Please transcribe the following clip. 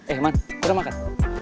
eh man udah makan